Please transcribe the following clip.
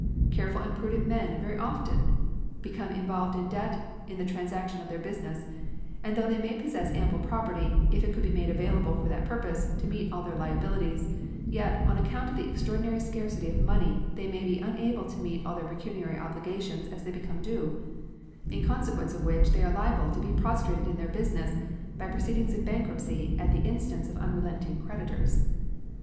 Careful and prudent men very often become involved in debt in the transaction of their business, and though they may possess ample property, if it could be made available for that purpose, to meet all their liabilities, yet, on account of the extraordinary scarcity of money, they may be unable to meet all their pecuniary obligations as they become due, in consequence of which they are liable to be prostrated in their business by proceedings in bankruptcy at the instance of unrelenting creditors.